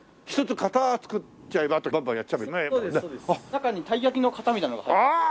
中にたい焼きの型みたいなのが入ってて。